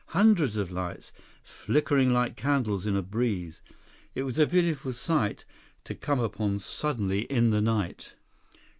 Hundreds of lights, flickering like candles in a breeze. It was a beautiful sight to come upon suddenly in the night.